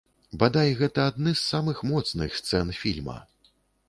Бадай, гэта адны з самых моцных сцэн фільма.